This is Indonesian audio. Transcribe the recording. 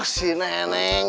tadi katanya sudah pergi